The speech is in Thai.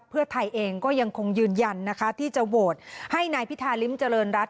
เพื่อไทยเองก็ยังคงยืนยันนะคะที่จะโหวตให้นายพิธาริมเจริญรัฐ